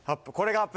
アップ？